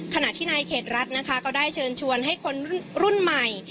ขณะที่นายเขตรัฐนะคะก็ได้เชิญชวนให้คนรุ่นใหม่